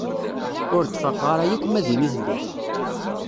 Ur d-faqeɣ ara yakk ma din i telliḍ.